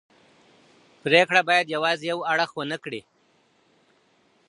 پریکړه باید یوازي یو اړخ ونه کړي.